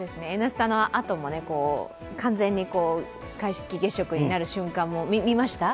「Ｎスタ」のあとも完全に皆既月食になる瞬間も見ました？